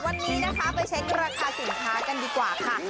วันนี้นะคะไปเช็คราคาสินค้ากันดีกว่าค่ะ